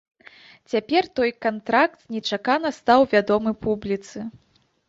Цяпер той кантракт нечакана стаў вядомы публіцы.